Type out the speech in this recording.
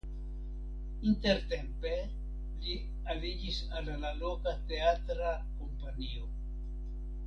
Intertempe li aliĝis al la loka teatra kompanio.